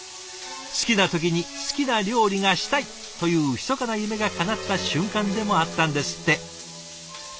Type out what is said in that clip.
「好きな時に好きな料理がしたい！」というひそかな夢がかなった瞬間でもあったんですって。